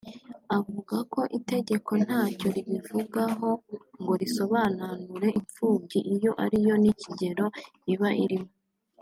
avuga ko itegeko ntacyo ribivugaho ngo risobonanure impfubyi iyo ariyo n’ikigero iba irimo